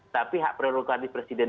tapi hak prerogatif presiden